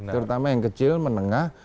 terutama yang kecil menengah